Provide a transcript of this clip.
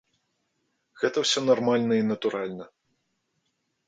Гэта ўсё нармальна і натуральна.